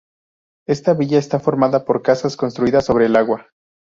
Esta villa está formada por casas construidas sobre el agua.